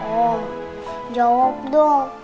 om jawab dong